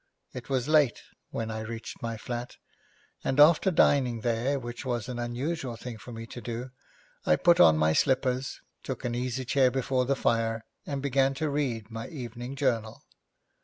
It was late when I reached my flat, and, after dining there, which was an unusual thing for me to do, I put on my slippers, took an easy chair before the fire, and began to read my evening journal.